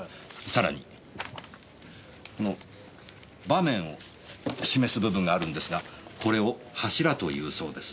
さらにこの場面を示す部分があるんですがこれをハシラというそうです。